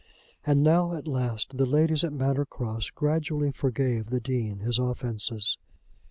And now, at last, the ladies at Manor Cross gradually forgave the Dean his offences.